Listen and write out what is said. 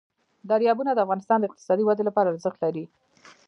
دریابونه د افغانستان د اقتصادي ودې لپاره ارزښت لري.